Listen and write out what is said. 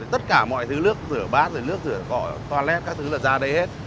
tất cả mọi thứ nước rửa bát nước rửa cỏ toilet các thứ là ra đây hết